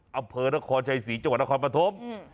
อำเภอนครชายศรีจังหวัดนครปธมศ์อืม